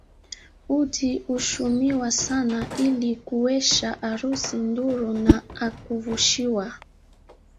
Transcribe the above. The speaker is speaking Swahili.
Udi huchumiwa sana ili kuecha harusi ndhuri na a kuvuchia